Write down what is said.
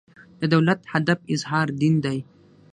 د دولت هدف اظهار دین دی.